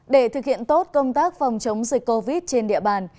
để thực hiện tốt công tác phòng chống dịch covid trên địa bàn